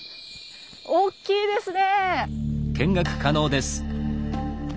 おっきいですね！